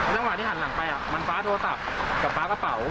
แล้วเมื่อที่หันหลังไปอ่ะมันฟ้าโทรศัพท์กับฟ้ากระเป๋า